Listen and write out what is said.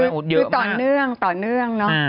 คือต่อเนื่องเนอะ